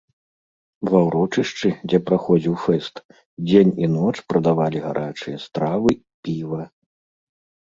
Ва ўрочышчы, дзе праходзіў фэст, дзень і ноч прадавалі гарачыя стравы, піва.